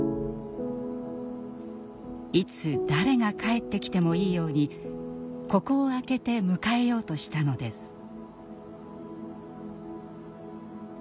いつ誰が帰ってきてもいいようにここを開けて迎えようとしたのです。